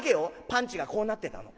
パンチがこうなってたの。